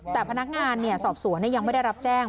แต่พนักงานสอบสวนยังไม่ได้รับแจ้ง